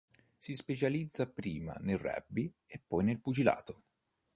Si specializza prima nel rugby e poi nel pugilato.